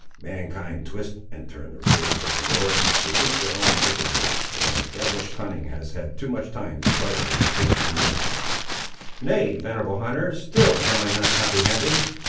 Mankind twist and turn the rules of the Lord, to suit their own wickedness, when their devilish cunning has had too much time to trifle with His commands." "Nay, venerable hunter, still am I not comprehended.